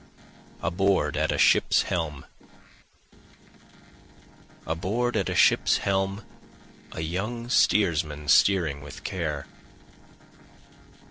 Aboard at a Ship's Helm Aboard at a ship's helm, A young steersman steering with care.